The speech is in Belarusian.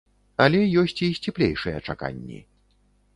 Але ёсць і сціплейшыя чаканні.